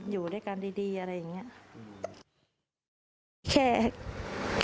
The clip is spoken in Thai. อยู่ด้วยกันดีอะไรอย่างเงี้ย